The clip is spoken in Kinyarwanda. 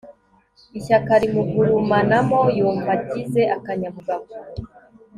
ishyaka rimugurumanamo yumva agize akanyabugabo